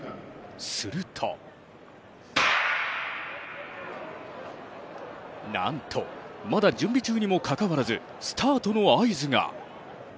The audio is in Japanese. するとなんと、まだ準備中にもかかわらずスタートの合図が。